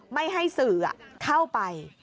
ไม่ให้สื่อเข้าไป